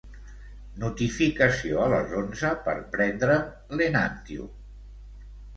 Notificació a les onze per prendre'm l'Enantyum.